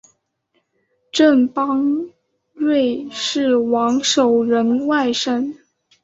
郑邦瑞是王守仁外甥。